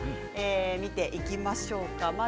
見ていきましょうか。